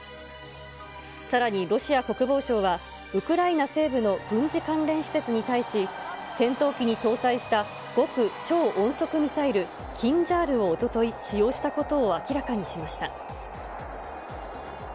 さらにロシア国防省は、ウクライナ西部の軍事関連施設に対し、戦闘機に搭載した極超音速ミサイル、キンジャールをおととい使用したことを明らかにしました。